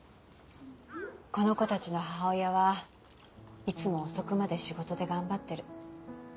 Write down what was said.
この子たちの母親はいつも遅くまで仕事で頑張ってる。